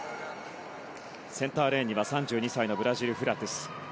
センターレーンには３２歳、ブラジル、フラトゥス。